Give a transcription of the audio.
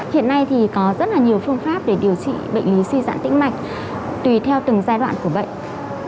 hiện nay thì có rất là nhiều phương pháp để điều trị bệnh lý suy giãn tĩnh mạch tùy theo từng giai đoạn của bệnh